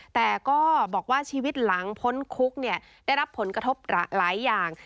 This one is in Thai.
แต่ก็บอกว่าชีวิตหลังพ้นคุกได้รับผลกระทบหลายอย่าง